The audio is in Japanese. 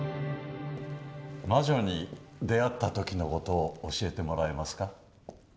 魔女に出会った時の事を教えてもらえますか？